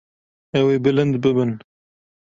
Ew ê bilind bibin.